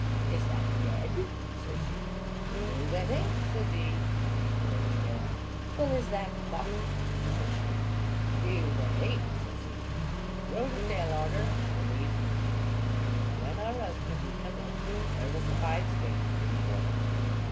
"Is that Ned?" says she. "Noo, that ain't," says he. An' he twirled his tail. "Well, is that Mark?" says she. "Noo, that ain't," says he. An' he twirled his tail harder, an' awa' he flew. Well, when har husban' he come in, there was the five skeins riddy for him.